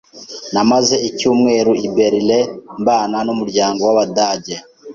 Namaze icyumweru i Berlin mbana n'umuryango w'Abadage.